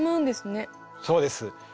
そうです。